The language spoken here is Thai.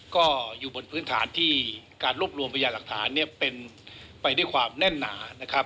ก็อยู่บนพื้นฐานที่การรวบรวมพยาหลักฐานเนี่ยเป็นไปด้วยความแน่นหนานะครับ